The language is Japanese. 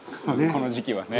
「この時期はね」